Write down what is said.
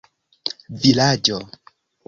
vilaĝo